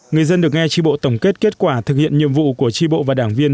người dân được nghe tri bộ tổng kết kết quả thực hiện nhiệm vụ của tri bộ và đảng viên